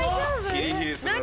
ヒリヒリするね。